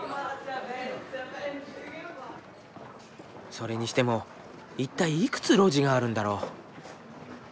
それにしても一体いくつ路地があるんだろう？